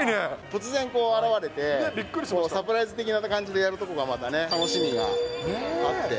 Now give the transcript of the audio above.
突然こう現れて、サプライズ的な感じでやるとこがまたね、楽しみがあって。